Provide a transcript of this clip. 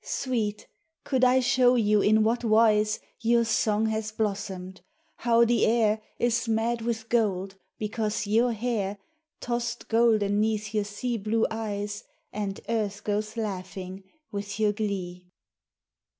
Sweet, could I show you in what wise Your song has blossomed how the air Is mad with gold because your hair, Tossed golden 'neath your sea blue eyes, And earth goes laughing with your glee?